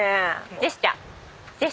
ジェスチャー！